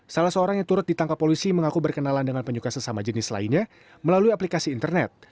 salah seorang yang turut ditangkap polisi mengaku berkenalan dengan penyuka sesama jenis lainnya melalui aplikasi internet